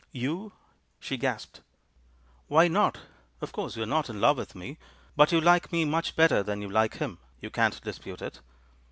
"You?" she gasped. "Why not? Of course you're not in love with me, but you like me much better than you like him, you can't dispute it.